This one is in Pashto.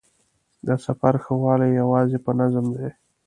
د سفر ښه والی یوازې په نظم دی.